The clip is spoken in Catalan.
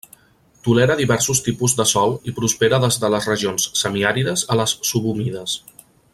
Tolera diversos tipus de sòl i prospera des de les regions semiàrides a les subhumides.